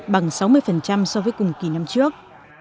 bằng sáu mươi so với cùng kỳ năm trước